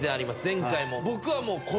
前回も僕はもう。